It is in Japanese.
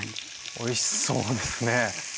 おいしそうですね。